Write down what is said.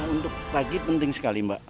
untuk pagi penting sekali mbak